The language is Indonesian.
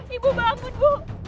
ibu bangun bu